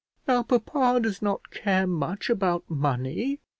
Now papa does not care much about money."